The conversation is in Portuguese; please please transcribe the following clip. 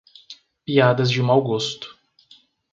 Piadas de mau gosto